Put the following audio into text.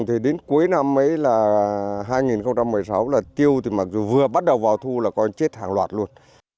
thì đến cuối năm ấy là hai nghìn một mươi sáu là tiêu thì mặc dù vừa bắt đầu vào thu là còn chết hàng loạt luôn